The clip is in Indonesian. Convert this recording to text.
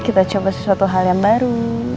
kita coba sesuatu hal yang baru